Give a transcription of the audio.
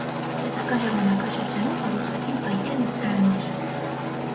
Դասական ժամանակշրջանում կառուցվեցին փայտե նստարաններ։